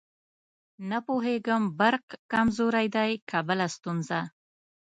نه پوهېږم برق کمزورې دی که بله ستونزه.